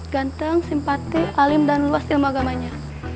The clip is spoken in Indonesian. ganteng simpati alim dan luas ilmu agamanya